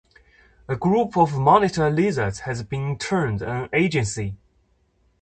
A group of monitor lizards has been termed an agency.